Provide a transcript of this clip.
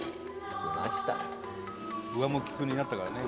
上向き君になったからね